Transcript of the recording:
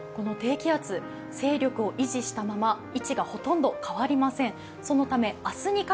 というのも、この低気圧勢力を維持したまま位置がほとんど変わりません。